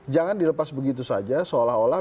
jangan dilepas begitu saja seolah olah